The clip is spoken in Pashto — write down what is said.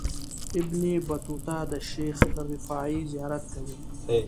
ابن بطوطه د شیخ رفاعي زیارت کوي.